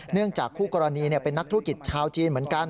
จากคู่กรณีเป็นนักธุรกิจชาวจีนเหมือนกัน